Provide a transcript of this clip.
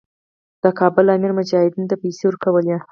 د کابل امیر مجاهدینو ته پیسې ورکولې.